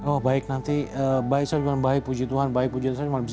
oh baik nanti baik baik puji tuhan baik baik puji tuhan